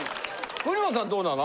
国本さんどうなの。